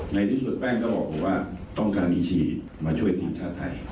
ในที่สุดแป้งก็บอกว่าต้องการอีชีมาช่วยทีมชาติไทย